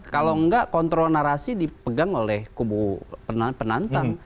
kalau enggak kontrol narasi dipegang oleh kubu penantang